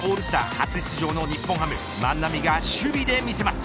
初出場の日本ハム、万波が守備で魅せます。